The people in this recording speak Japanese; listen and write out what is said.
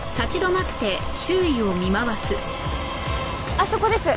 あそこです！